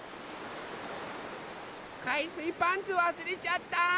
かいすいパンツわすれちゃった。